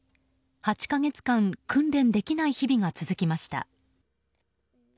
８か月間、訓練できない日々が続きました。